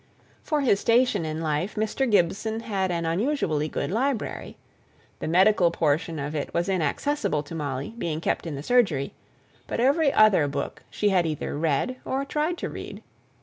For his station in life, Mr. Gibson had an unusually good library; the medical portion of it was inaccessible to Molly, being kept in the surgery, but every other book she had either read, or tried to read.